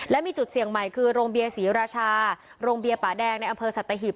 และมีจุดเสี่ยงใหม่คือโรงเบียร์ศรีราชาโรงเบียร์ป่าแดงในอำเภอสัตหิบ